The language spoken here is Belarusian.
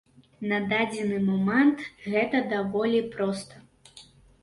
На дадзены момант гэта даволі проста.